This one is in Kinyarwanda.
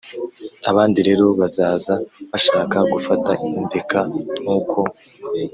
abandi rero bazaza bashaka gufata indeka nk’uko